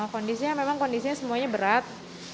kondisinya memang kondisinya semuanya berat